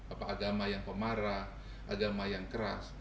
apa agama yang pemarah agama yang keras